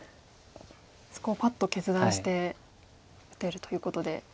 そこをパッと決断して打てるということで。